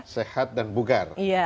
sehat dan bugar